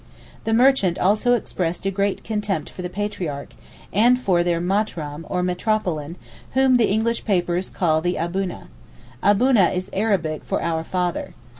The merchant also expressed a great contempt for the Patriarch, and for their Matraam or Metropolitan, whom the English papers call the Abuna. Abuna is Arabic for 'our father.